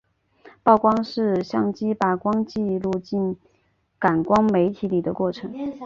曝光是相机把光记录进感光媒体里的过程。